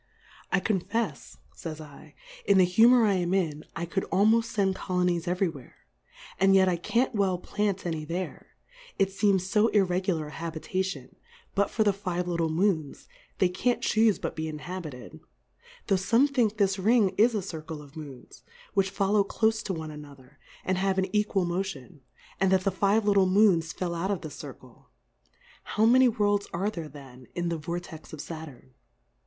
I confefs, fays /, m the hu mour I am in, I could almofl: fend Co lonies every where ; and yet I can'f well plant any there, it feems fo irre gular a Habitation ; but for the five lit tle Moons, they can't chufe but be in habited; tho' fome think this Ring is a Circle of Moons, which follow clofe to one another, and have an equal Mo tion ; and that the five little Moons fell out of this Circle ; how many Worlds are there then in the Vortex oi Saturn